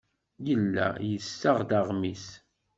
Yella yessaɣ-d aɣmis.